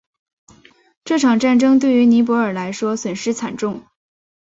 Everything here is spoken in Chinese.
这场战争对于尼泊尔来说损失惨重。